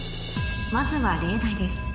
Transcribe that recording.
まずは例題です